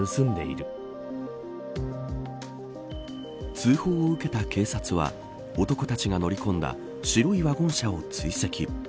通報を受けた警察は男たちが乗り込んだ白いワゴン車を追跡。